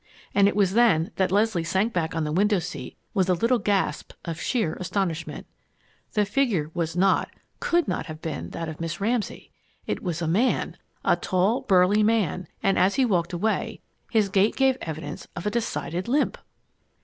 And it was then that Leslie sank back on the window seat with a little gasp of sheer astonishment. The figure was not could not have been that of Miss Ramsay! It was a man a tall, burly man; and as he walked away, his gait gave evidence of a decided limp!